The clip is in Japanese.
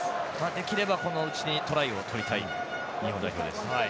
できれば、このうちにトライを取りたい日本代表です。